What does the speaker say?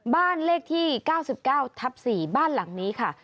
บ้านเลขที่๙๙ทับ๔บ้านหลังนี้ค่ะ